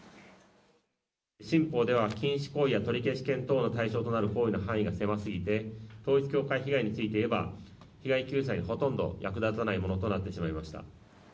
新法では禁止行為や取消権等の対象となる行為の範囲が狭すぎて、統一教会被害についていえば、被害救済にほとんど役立たないものとなってしまいました。